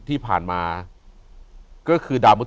อยู่ที่แม่ศรีวิรัยิลครับ